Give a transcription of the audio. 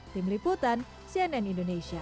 tim liputan cnn indonesia